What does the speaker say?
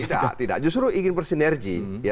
tidak tidak justru ingin bersinergi